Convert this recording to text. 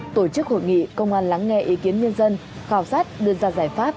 tổ chức hội nghị công an lắng nghe ý kiến nhân dân khảo sát đưa ra giải pháp